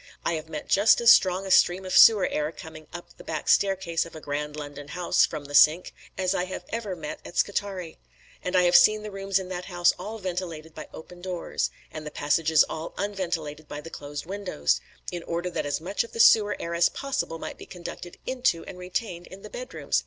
I have met just as strong a stream of sewer air coming up the back staircase of a grand London house, from the sink, as I have ever met at Scutari; and I have seen the rooms in that house all ventilated by the open doors, and the passages all unventilated by the close windows, in order that as much of the sewer air as possible might be conducted into and retained in the bedrooms.